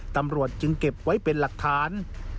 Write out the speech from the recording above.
ตำรวจจึงเก็บไว้เป็นหลักฐาน